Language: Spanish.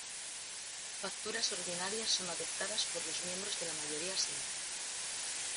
Facturas ordinarias son adoptadas por los miembros de la mayoría simple.